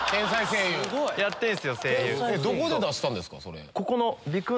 どこで出したんですか？